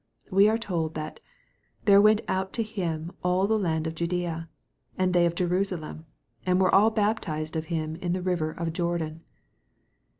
We are told that " there went out to him all the land of Judaea, and they of Jerusalem, and were all baptized of him in the river of Jordan."